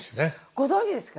ご存じですか？